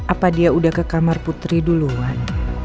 apa dia udah ke kamar putri duluan